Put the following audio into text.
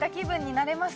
なれます